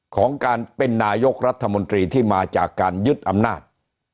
ของการเป็นนายกรัฐมนตรีที่มาจากการยึดอำนาจ